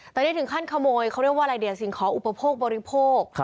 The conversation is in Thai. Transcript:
แต่ได้ถึงขั้นขโมยเขาเรียกว่ารายเดียสิงคออุปโภคบริโภค